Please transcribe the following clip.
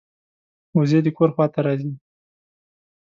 وزې د کور خوا ته راځي